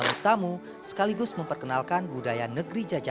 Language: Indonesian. ruang sukarno dikatakan sebagai ruang utama